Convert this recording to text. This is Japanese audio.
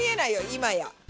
今や。